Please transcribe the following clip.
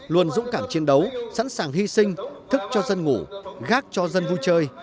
luôn dũng cảm chiến đấu sẵn sàng hy sinh thức cho dân ngủ gác cho dân vui chơi